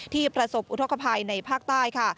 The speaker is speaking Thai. ที่ประสบอุทธกภัยในภาคใต้ค่ะ